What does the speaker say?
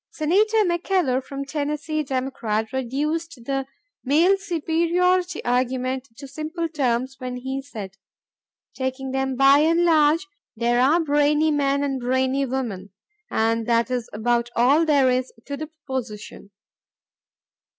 Senator McKellar of Tennessee, Democrat, reduced the male superiority argument to simple terms when he said: "... Taking them by and large, there are brainy men and brainy women, and that is about all there is to the proposition."